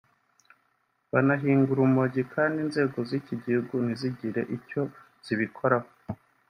banahinga urumogi kandi inzego z’iki gihugu ntizigire n’icyo zibikoraho